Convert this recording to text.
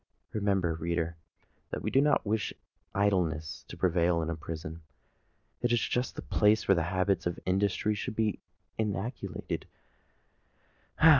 Remember, reader, that we do not wish idleness to prevail in a prison. It is just the place where habits of industry should be inculcated.